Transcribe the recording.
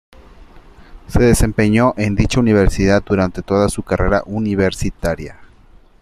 Se desempeñó en dicha universidad durante toda su carrera universitaria.